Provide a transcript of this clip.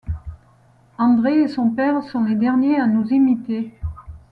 André et son père sont les derniers à nous imiter.